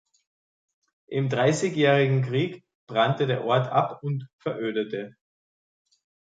Im Dreißigjährigen Krieg brannte der Ort ab und verödete.